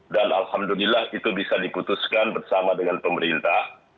dan alhamdulillah itu bisa diputuskan bersama dengan pemerintah